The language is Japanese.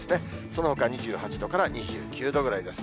そのほか２８度から２９度ぐらいです。